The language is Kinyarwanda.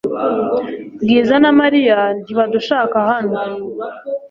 Bwiza na Mariya ntibadushaka hano .